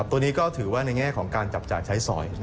ตัวนี้ก็ถือว่าในแง่ของการจับจ่ายใช้สอย